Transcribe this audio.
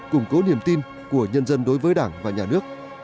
củng cố niềm tin của nhân dân đối với đảng và nhà nước